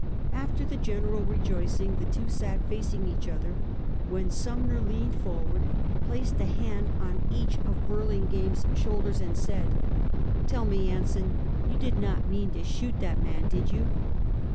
After the general rejoicing, the two sat facing each other, when Sumner leaned forward, placed a hand on each of Burlingame's shoulders, and said :" Tell me, Anson, you did not mean to shoot that man, did you?"